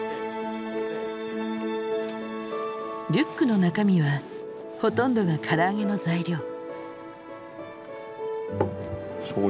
リュックの中身はほとんどがからあげの材料。